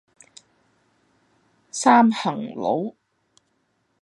三行佬